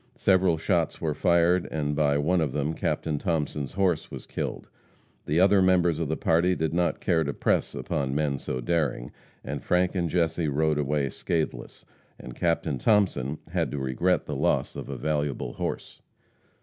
Several shots were fired, and by one of them Captain Thomason's horse was killed. The other members of the party did not care to press upon men so daring, and Frank and Jesse rode away scathless, and Captain Thomason had to regret the loss of a valuable horse.